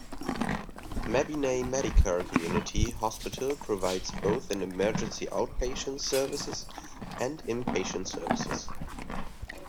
Mabinay Medicare Community Hospital provides both in emergency outpatients services and inpatient services.